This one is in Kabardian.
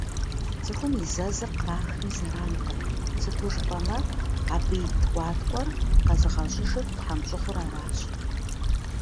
Цӏыхум и зэзыр кърахми зэранкъым, сыту жыпӏэмэ, абы ит ткӏуаткӏуэр къэзыгъэщӏыжыр тхьэмщӏыгъур аращ.